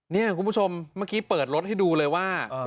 นี่คุณผู้ชมเมื่อกี้เปิดรถให้ดูเลยว่า